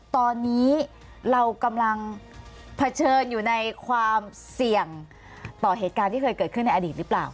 ตอนนี้เรากำลังเผชิญอยู่ในความเสี่ยงต่อเหตุการณ์ที่เคยเกิดขึ้นในอดีตหรือเปล่า